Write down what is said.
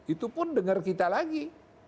itu pun dengar kita lagi